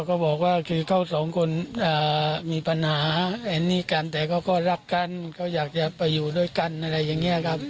ก็บอกว่าคือเขาสองคนมีปัญหาอันนี้กันแต่เขาก็รักกันเขาอยากจะไปอยู่ด้วยกันอะไรอย่างนี้ครับ